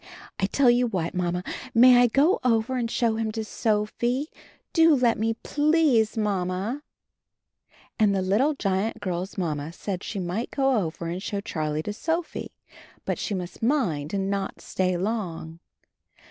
I tell you what. Mamma, may I go over and show him to Sophie? Do let me, please. Mamma." Ajid the little giant girl's mamma said she might go over and show Charlie to Sophie, but she must mind and not stay long.